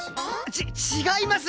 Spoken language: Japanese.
ち違います！